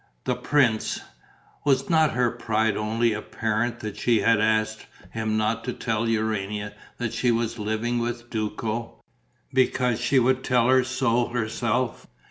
The prince ... was not her pride only apparent that she had asked him not to tell Urania that she was living with Duco, because she would tell her so herself?